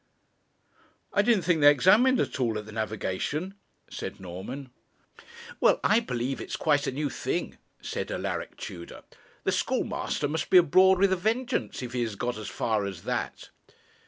'I didn't think they examined at all at the Navigation,' said Norman. 'Well, I believe it's quite a new thing,' said Alaric Tudor. 'The schoolmaster must be abroad with a vengeance, if he has got as far as that.'